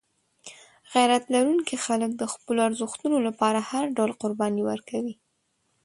غیرت لرونکي خلک د خپلو ارزښتونو لپاره هر ډول قرباني ورکوي.